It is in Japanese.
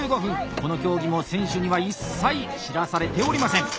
この競技も選手には一切知らされておりません！